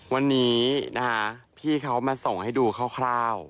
วันนี้นะคะพี่เขามาส่งให้ดูคร่าว